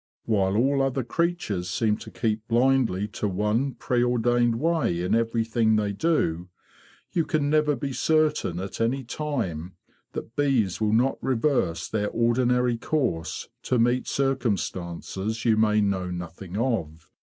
While all other creatures seem to keep blindly to one pre ordained way in everything they do, you can never be certain at any time that bees will not reverse their ordinary course to meet circum stances you may know nothing of.